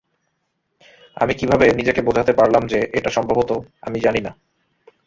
আমি কিভাবে নিজেকে বোঝাতে পারলাম যে এটা সম্ভবত, আমি জানি না।